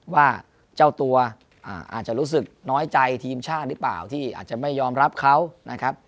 ว่าเจ้าตัวอาจจะรู้สึกน้อยใจทีมชาติหรือเปล่าที่อาจจะไม่ยอมรับเขานะครับ